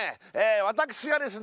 私がですね